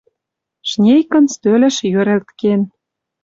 Жнейкын стӧлӹш йӧрӹлт кен.